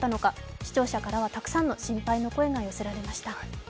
視聴者からは、たくさんの心配の声が寄せられました。